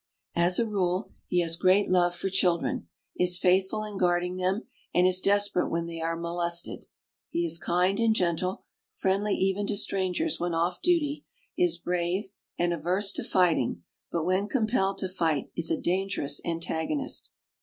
As a rule, he has great love for children, is faithful in guarding them, and is desperate when they are molested. He is kind and gentle, friendly even to strangers when off duty; is brave, and averse to fighting, but when compelled to fight is a dangerous antagonist.